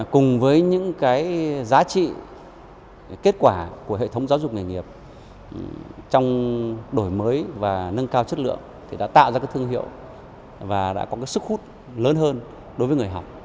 cùng với những cái giá trị kết quả của hệ thống giáo dục nghề nghiệp trong đổi mới và nâng cao chất lượng thì đã tạo ra thương hiệu và đã có cái sức hút lớn hơn đối với người học